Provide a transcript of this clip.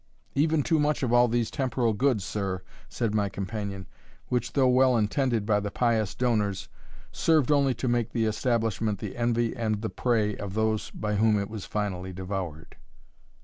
"Even too much of all these temporal goods, sir," said my companion, "which, though well intended by the pious donors, served only to make the establishment the envy and the prey of those by whom it was finally devoured."